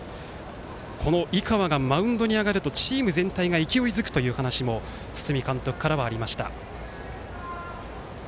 井川がマウンドに上がるとチーム全体が勢いづくという話も堤監督からはありました。